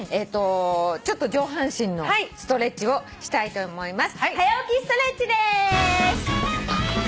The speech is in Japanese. ちょっと上半身のストレッチをしたいと思います。